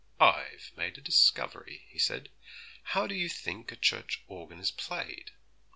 'I've made a discovery,' he said; 'how do you think a church organ is played?'